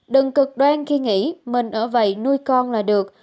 đừng cực đoan khi nghĩ mình ở vậy nuôi con là được